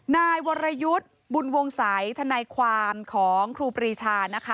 นายวรยุทธ์บุญวงศัยทนายความของครูปรีชานะคะ